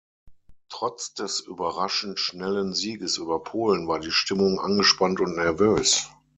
Trotz des überraschend schnellen Sieges über Polen war die Stimmung angespannt und nervös.